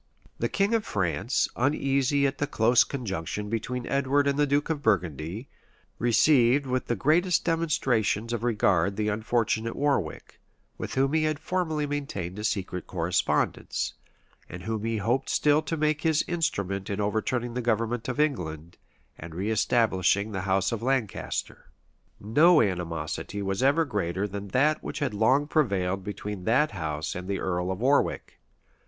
The king of France, uneasy at the close conjunction between Edward and the duke of Burgundy, received with the greatest demonstrations of regard the unfortunate Warwick,[] with whom he had formerly maintained a secret correspondence, and whom he hoped still to make his instrument in overturning the government of England, and reëstablishing the house of Lancaster. * Comines, liv. iii. chap. 4. Hall, fol. 205. Polyd. Virg. p. 519. No animosity was ever greater than that which had long prevailed between that house and the earl of Warwick.